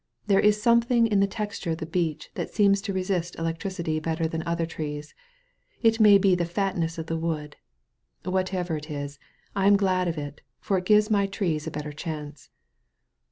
There is something in the texture of the beech that seems to resist electricity better than other trees. It may be the fatness of the wood. Whatever it is, I am glad of it, for it gives my trees a better chance."